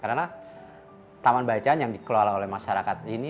karena taman bacaan yang dikelola oleh masyarakat ini